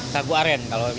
sagu aren kalau mie glosor